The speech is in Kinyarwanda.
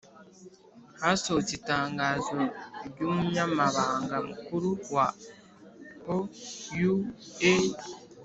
hasohotse itangazo ry'umunyamabanga mukuru wa oua